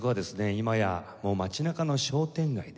今や街中の商店街ですね